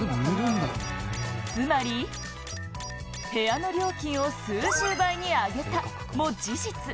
つまり、部屋の料金を数十倍に上げたも事実。